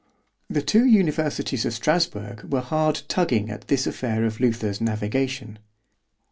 ] The two universities of Strasburg were hard tugging at this affair of Luther's navigation.